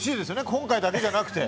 今回だけじゃなくて。